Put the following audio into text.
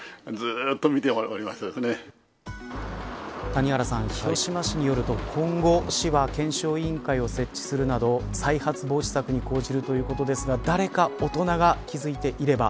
谷原さん、広島市によると今後、市は検証委員会を設置するなど再発防止策を講じるということですが誰か大人が気付いていれば。